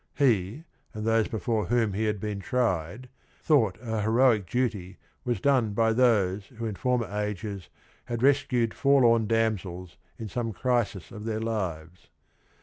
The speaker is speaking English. He and those before whom he had been tried thought a heroic duty was done by those who in former ages had rescued forlorn damsels in some crisis of their lives.